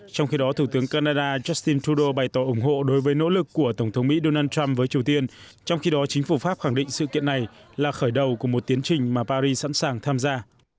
trong khi đó thủ tướng canada justin trudeau bày tỏ ủng hộ đối với nỗ lực của tổng thống mỹ donald trump với triều tiên trong khi đó chính phủ pháp khẳng định sự kiện này là khởi đầu của một tiến trình mà paris sẵn sàng tham gia